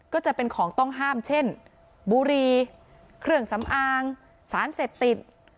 ก็จะเป็นของต้องห้ามเช่นบุรีเครื่องสำอางสารเสพติด